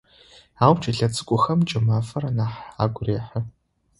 Ау кӏэлэцӏыкӏухэм кӏымафэр нахь агу рехьы.